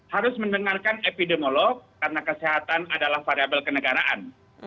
harus mendengarkan epidemiolog karena kesehatan adalah variable kenegaraan